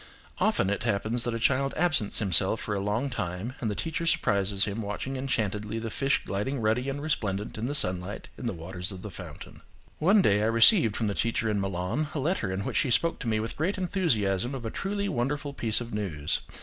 Often it happens that a child absents himself for a long time and the teacher surprises him watching enchantedly the fish gliding ruddy and resplendent in the sunlight in the waters of the fountain. One day I received from the teacher in Milan a letter in which she spoke to me with great enthusiasm of a truly wonderful piece of news.